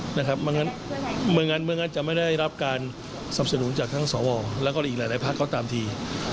เหมือนกันจะไม่ได้รับการสับสนุนจากทั้งสวและก็อีกหลายภาคเข้าตามที